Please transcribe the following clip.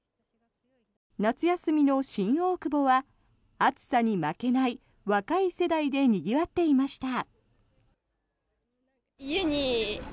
夏休みの新大久保は暑さに負けない若い世代でにぎわっていました。